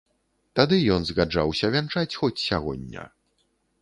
Тады ён згаджаўся вянчаць, хоць сягоння.